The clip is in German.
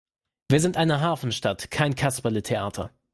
Wir sind eine Hafenstadt, kein Kasperletheater!